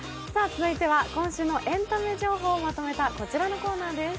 続いては今週のエンタメ情報をまとめたこちらのコーナーです。